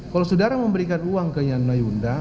kalau saudara memberikan uang ke nuyudah